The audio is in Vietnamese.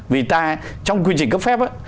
vì ta trong quy trình cấp phép